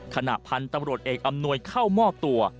ขณะพันธุ์ตำรวจเอกอำนวยเข้ามอบตัว